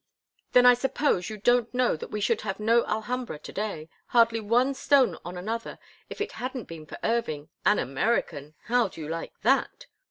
"Then I suppose you don't know that we should have no Alhambra to day—hardly one stone on another—if it hadn't been for Irving—an American! How do you like that?"